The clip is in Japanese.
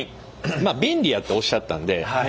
便利やっておっしゃったんで。